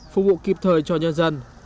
phục vụ kịp thời cho nhân dân